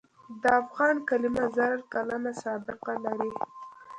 د افغان کلمه زر کلنه سابقه لري.